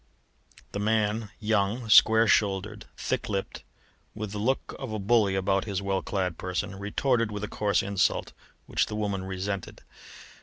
The man young, square shouldered, thick lipped, with the look of a bully about his well clad person retorted with a coarse insult, which the woman resented.